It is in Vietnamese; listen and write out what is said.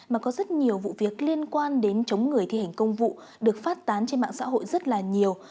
mà có rất nhiều vụ việc liên quan đến chống người thi hành công vụ được phát tán trên mạng xã hội rất là nhiều